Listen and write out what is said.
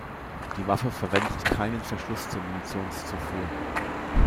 Die Waffe verwendet keinen Verschluss zur Munitionszufuhr.